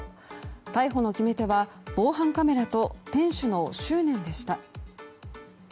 逮捕の決め手は防犯カメラと店主の執念でした。